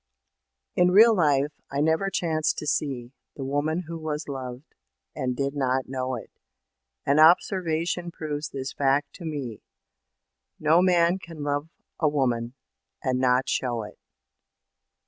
In real life, I never chanced to see The woman who was loved, and did not know it, And observation proves this fact to me: No man can love a woman and not show it.